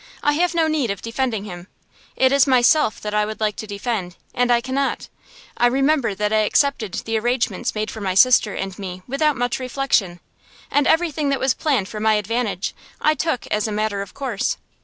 I have no need of defending him. It is myself that I would like to defend, and I cannot. I remember that I accepted the arrangements made for my sister and me without much reflection, and everything that was planned for my advantage I took as a matter of course.